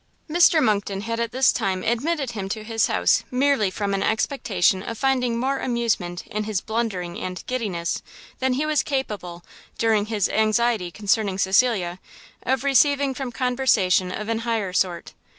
Mr Monckton had at this time admitted him to his house merely from an expectation of finding more amusement in his blundering and giddiness, than he was capable, during his anxiety concerning Cecilia, of receiving from conversation of an higher sort.